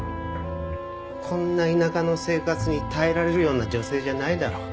こんな田舎の生活に耐えられるような女性じゃないだろ。